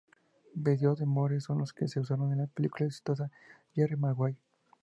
Vídeos de Moore son los que se usaron en la película exitosa "Jerry Maguire.